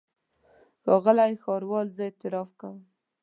ښاغلی ښاروال زه اعتراف کوم.